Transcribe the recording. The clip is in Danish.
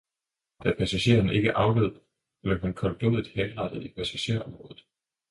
Da passageren ikke adlød, blev han koldblodigt henrettet i passagerområdet.